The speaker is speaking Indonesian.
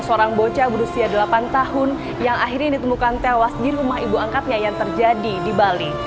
seorang bocah berusia delapan tahun yang akhirnya ditemukan tewas di rumah ibu angkatnya yang terjadi di bali